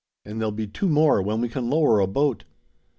And there'll be two more when we can lower a boat."